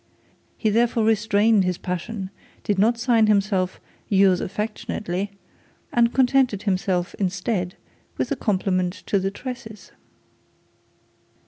He therefore restrained his passion, did not sign himself 'yours affectionately,' and contented himself instead with the compliment to the tresses.